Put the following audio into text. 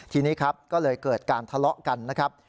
ทีนี้ครับก็เลยเกิดการทะเลาะกันนะครับ